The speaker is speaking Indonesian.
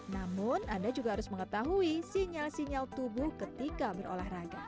namun anda juga harus mengetahui sinyal sinyal tubuh ketika berolahraga